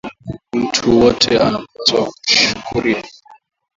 Muntu wote ana pashwa kuria